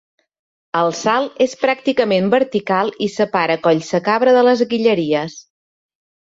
El salt és pràcticament vertical i separa Collsacabra de Les Guilleries.